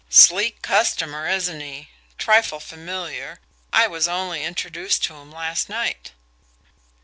Sleek customer, isn't he? Trifle familiar I was only introduced to him last night."